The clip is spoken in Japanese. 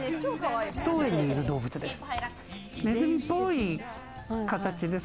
当園にいる動物です。